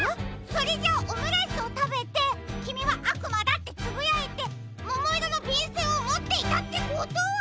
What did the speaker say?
それじゃあオムライスをたべて「きみはあくまだ！」ってつぶやいてももいろのびんせんをもっていたってことは。